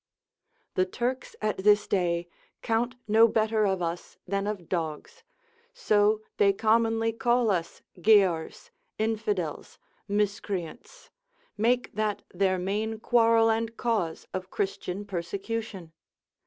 The Turks at this day count no better of us than of dogs, so they commonly call us giaours, infidels, miscreants, make that their main quarrel and cause of Christian persecution.